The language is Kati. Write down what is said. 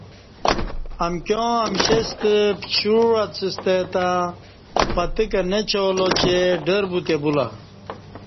امکیاں امشیݩستہ پچوع اڅستہ تہ پہتہ نچالاچہ ڈربوتے بولہ